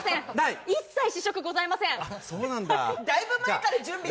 一切ございません。